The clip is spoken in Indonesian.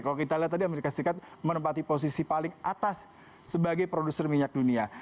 kalau kita lihat tadi amerika serikat menempati posisi paling atas sebagai produser minyak dunia